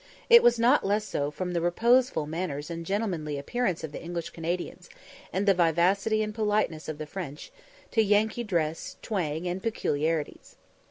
It was not less so from the reposeful manners and gentlemanly appearance of the English Canadians, and the vivacity and politeness of the French, to Yankee dress, twang, and peculiarities.